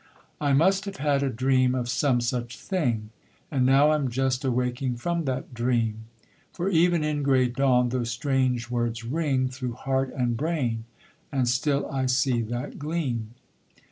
I must have had a dream of some such thing, And now am just awaking from that dream; For even in grey dawn those strange words ring Through heart and brain, and still I see that gleam.